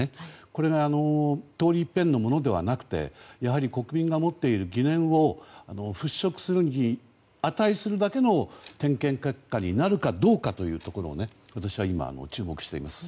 これが通り一遍のものではなくてやはり国民が持っている疑念を払拭するに値するだけの点検結果になるかどうかというところを私は今、注目しています。